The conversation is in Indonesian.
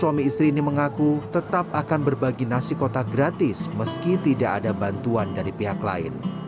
suami istri ini mengaku tetap akan berbagi nasi kotak gratis meski tidak ada bantuan dari pihak lain